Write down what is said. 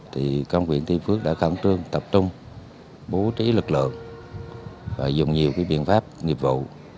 thì công quyền tiên phước đã khẩn trương tập trung bố trí lực lượng và dùng nhiều biện pháp nghiệp vụ